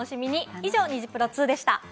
以上、ニジプロ２でした。